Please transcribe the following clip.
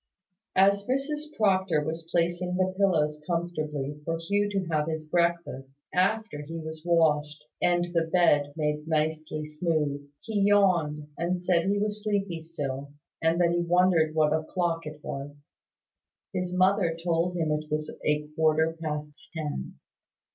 As Mrs Proctor was placing the pillows comfortably, for Hugh to have his breakfast, after he was washed, and the bed made nicely smooth, he yawned, and said he was sleepy still, and that he wondered what o'clock it was. His mother told him it was a quarter past ten.